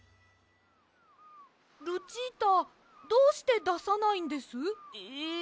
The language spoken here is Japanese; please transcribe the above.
ルチータどうしてださないんです？え！？